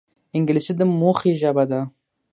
انګلیسي د موخې ژبه ده